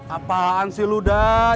apaan sih lu dah